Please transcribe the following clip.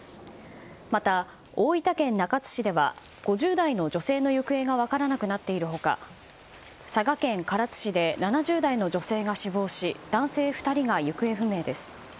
また、大分県中津市では５０代の女性の行方が分からなくなっている他佐賀県唐津市で７０代の女性が死亡し男性２人が行方不明です。